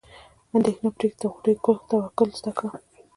اندیښنه پرېږده د غوټۍ توکل زده کړه.